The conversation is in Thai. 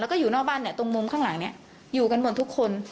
แล้วก็อยู่นอกบ้านเนี่ยตรงมุมข้างหลังเนี่ยอยู่กันหมดทุกคน